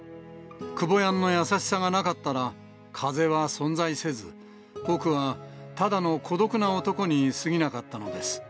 久保ヤンの優しさがなかったら、風は存在せず、僕はただの孤独な男にすぎなかったのです。